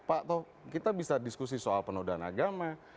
pak toh kita bisa diskusi soal penodaan agama